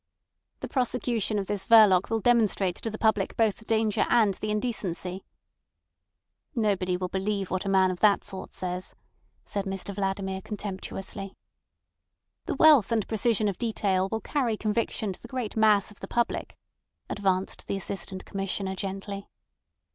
"The prosecution of this Verloc will demonstrate to the public both the danger and the indecency." "Nobody will believe what a man of that sort says," said Mr Vladimir contemptuously. "The wealth and precision of detail will carry conviction to the great mass of the public," advanced the Assistant Commissioner gently.